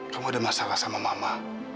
kamu ada masalah sama mama